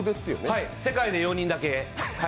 はい、世界で４人だけ。